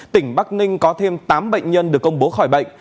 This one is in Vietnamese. tỉnh bắc ninh có thêm tám bệnh nhân được công bố khỏi bệnh